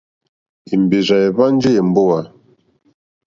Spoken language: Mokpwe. Èmbèrzà èhwánjì èmbówà.